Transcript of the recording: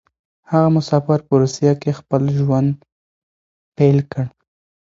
هغه مسافر په روسيه کې خپل نوی ژوند پيل کړ.